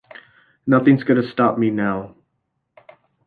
Nothing's gonna stop me now.